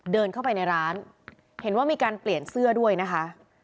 เดินเข้าไปในร้านเห็นว่ามีการเปลี่ยนเสื้อด้วยนะคะ